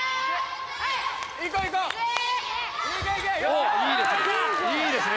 おおっいいですね。